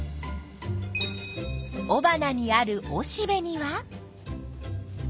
おばなにあるおしべには。